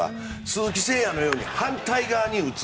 鈴木誠也のように反対側に打つ。